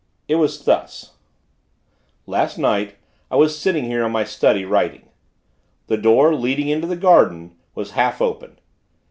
It was thus: Last night, I was sitting here in my study, writing. The door, leading into the garden, was half open.